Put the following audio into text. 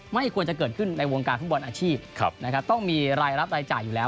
ไม่ควรจะเกิดขึ้นในวงการฟุตบอลอาชีพนะครับต้องมีรายรับรายจ่ายอยู่แล้ว